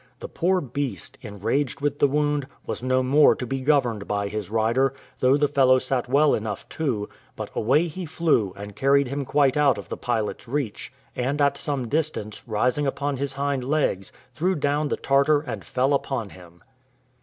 The poor beast, enraged with the wound, was no more to be governed by his rider, though the fellow sat well enough too, but away he flew, and carried him quite out of the pilot's reach; and at some distance, rising upon his hind legs, threw down the Tartar, and fell upon him.